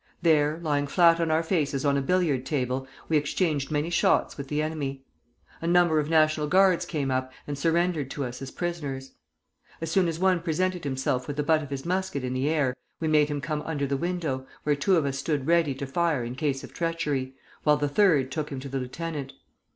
There, lying flat on our faces on a billiard table, we exchanged many shots with the enemy. A number of National Guards came up and surrendered to us as prisoners. As soon as one presented himself with the butt of his musket in the air, we made him come under the window, where two of us stood ready to fire in case of treachery, while the third took him to the lieutenant.